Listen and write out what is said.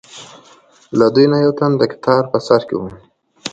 له دوی نه یو تن د کتار په سر کې و.